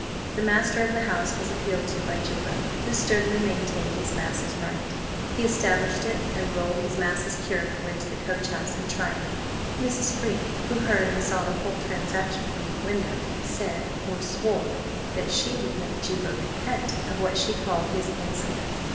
The master of the house was appealed to by Juba, who sturdily maintained his massa's right; he established it, and rolled his massa's curricle into the coach house in triumph. Mrs. Freke, who heard and saw the whole transaction from her window, said, or swore, that she would make Juba repent of what she called his insolence.